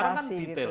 sekarang kan detail